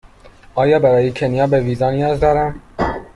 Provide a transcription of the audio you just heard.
آیا برای کنیا به ویزا نیاز دارم؟